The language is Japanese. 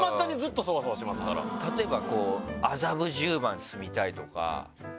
例えば。